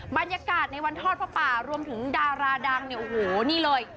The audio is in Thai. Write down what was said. บรรยากาศในวันทอดผ้าป่ารวมถึงดาราดังเนี่ยโอ้โหนี่เลย